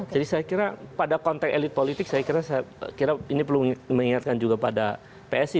jadi saya kira pada konteks elit politik saya kira ini perlu diingatkan juga pada psi